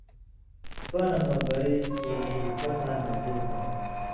پن٘دہۡ مہ بئ سورۃ الفتح نازِل ہُون٘دیۡ،